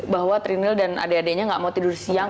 bahwa trinil dan adek adeknya gak mau tidur siang